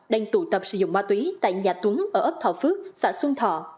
đang tụ tập sử dụng ma túy tại nhà tuấn ở ấp thọ phước xã xuân thọ